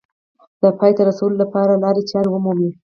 د پای ته رسولو لپاره لارې چارې ومومي